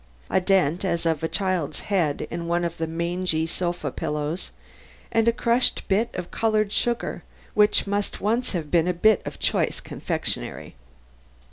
A dent as of a child's head in one of the mangy sofa pillows and a crushed bit of colored sugar which must once have been a bit of choice confectionery.